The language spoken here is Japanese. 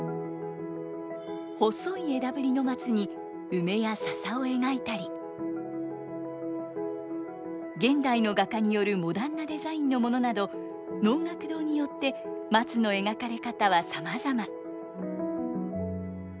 細い枝ぶりの松に梅や笹を描いたり現代の画家によるモダンなデザインのものなど能楽堂によって松の描かれ方はさまざま。